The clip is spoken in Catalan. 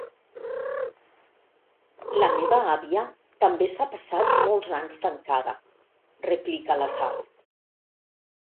La meva àvia també s'ha passat molts anys tancada, replica la Sal.